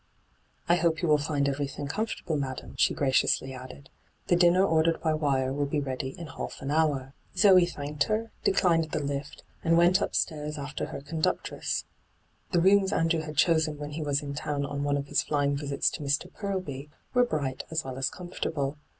' I hope you will find everything comfort able, madam,' she graciously added. 'The hyGoogIc ENTRAPPED 121 dinner ordered by wire will be ready in half an hour.' Zoe thanked her, declined the lift, and went upstairs after her conductress. The rooms Andrew had chosen when he was in town on one of his flying visits to Mr. Parlby were bright as well as comfortable.